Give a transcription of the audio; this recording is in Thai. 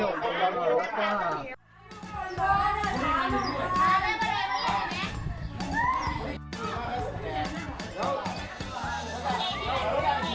ครับได้หกใบ